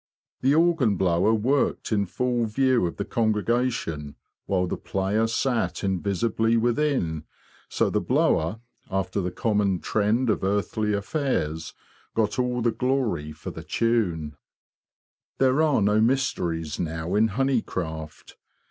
The organ blower worked in full view of the congregation, while the player sat invisibly within, so the blower, after the common trend of earthly affairs, got all the glory for the tune. 196 HONEY CRAFT OLD AND NEW ) 197 There are no mysteries now in honey craft.